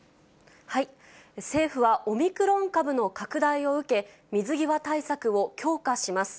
政府はオミクロン株の拡大を受け、水際対策を強化します。